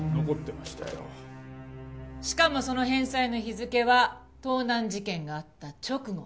しかもその返済の日付は盗難事件があった直後。